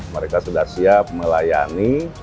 mereka sudah siap melayani